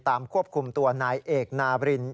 ควบคุมตัวนายเอกนาบริน